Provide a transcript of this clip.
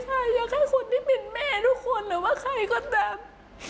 ใช่อยากให้คนที่เป็นแม่ทุกคนหรือว่าใครก็ตาม